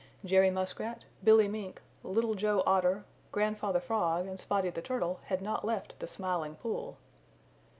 Jerry Muskrat, Billy Mink, Little Joe Otter, Grandfather Frog and Spotty the Turtle had not left the Smiling Pool.